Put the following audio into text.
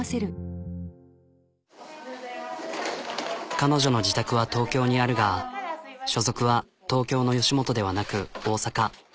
彼女の自宅は東京にあるが所属は東京の吉本ではなく大阪。